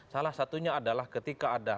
salah satunya adalah ketika ada